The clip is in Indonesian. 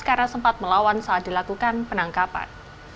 karena sempat melawan saat dilakukan penangkapan